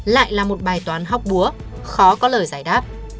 lại là một bài toán học búa khó có lời giải đáp